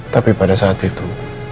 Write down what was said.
tapi pada saat itu